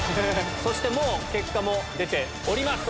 そしてもう、結果も出ております。